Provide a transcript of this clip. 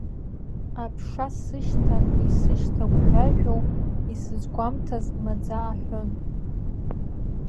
Аԥша сышьҭан исышьҭагәжәажәо, исызгәамҭаз маӡа аҳәон.